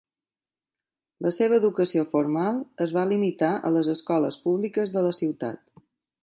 La seva educació formal es va limitar a les escoles públiques de la ciutat.